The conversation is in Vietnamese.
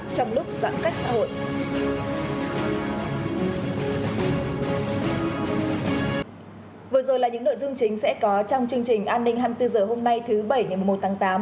chương trình sẽ có trong chương trình an ninh hai mươi bốn h hôm nay thứ bảy ngày một mươi một tháng tám